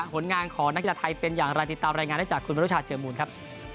ผลงานของนักกีฬาไทยเป็นอย่างไรติดตามรายงานได้จากคุณมนุชาเจอมูลครับ